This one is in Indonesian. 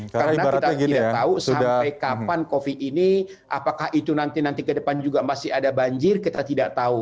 karena kita tidak tahu sampai kapan covid ini apakah itu nanti ke depan juga masih ada banjir kita tidak tahu